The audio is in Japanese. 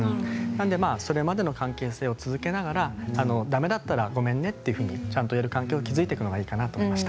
それまでの関係性を続けながらだめだったらごめんねとちゃんと言える関係を築いていくのがいいかなと思いました。